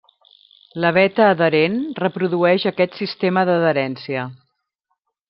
La veta adherent reprodueix aquest sistema d'adherència.